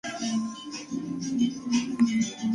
დასკვნითი ნაწილი მეტად დაძბული გამოდგა.